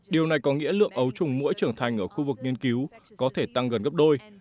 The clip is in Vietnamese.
điều này có nghĩa lượng ấu trùng mũi trưởng thành ở khu vực nghiên cứu có thể tăng gần gấp đôi